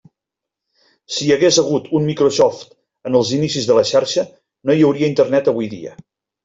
Si hi hagués hagut un Microsoft en els inicis de la xarxa, no hi hauria Internet avui dia.